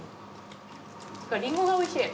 リンゴがおいしい。